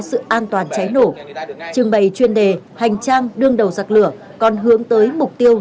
sự an toàn cháy nổ trưng bày chuyên đề hành trang đương đầu giặc lửa còn hướng tới mục tiêu